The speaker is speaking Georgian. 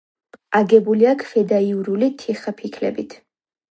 აგებულია ქვედაიურული თიხაფიქლებით.